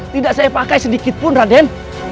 tidak saya pakai sedikit pun raden